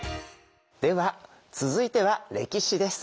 では続いては歴史です。